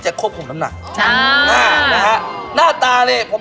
เขาโปะว่าคนอ้วนบ้างทำอาหารอร่อย